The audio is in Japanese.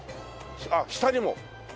あっ下にも。